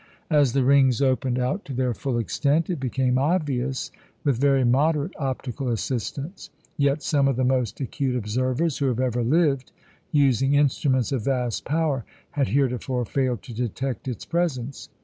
As the rings opened out to their full extent, it became obvious with very moderate optical assistance; yet some of the most acute observers who have ever lived, using instruments of vast power, had heretofore failed to detect its presence.